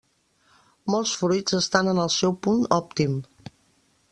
Molts fruits estan en el seu punt òptim.